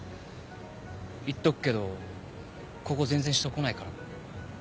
言っとくけどここ全然人来ないから。